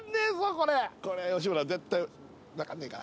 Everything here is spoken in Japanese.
「これ吉村絶対わかんねえか」